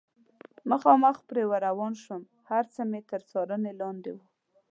مخامخ پرې ور روان شوم، هر څه مې تر څارنې لاندې و.